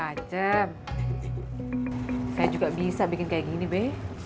saya juga bisa bikin kayak gini be